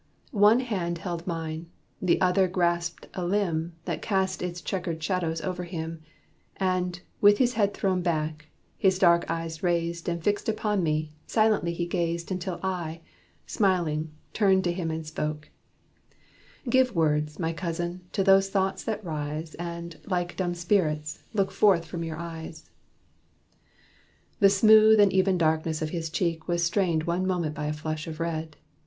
One hand held mine; the other grasped a limb That cast its checkered shadows over him; And, with his head thrown back, his dark eyes raised And fixed upon me, silently he gazed Until I, smiling, turned to him and spoke: "Give words, my cousin, to those thoughts that rise, And, like dumb spirits, look forth from your eyes." The smooth and even darkness of his cheek Was stained one moment by a flush of red.